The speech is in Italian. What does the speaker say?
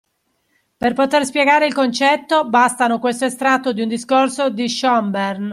Per poter spiegare il concetto bastano questo estratto di un discorso di Schoenbern.